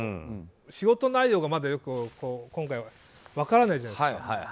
仕事内容がまだ今回は分からないじゃないですか。